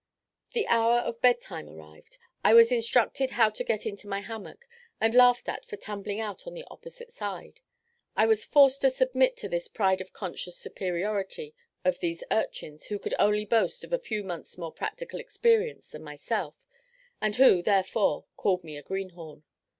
The hour of bed time arrived. I was instructed how to get into my hammock, and laughed at for tumbling out on the opposite side. I was forced to submit to this pride of conscious superiority of these urchins who could only boast of a few months' more practical experience than myself, and who, therefore, called me a greenhorn.